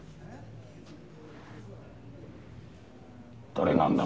誰なんだ？